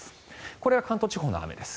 これが関東地方の雨です。